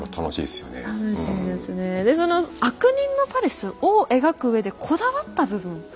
でその悪人のパレスを描く上でこだわった部分ありますか？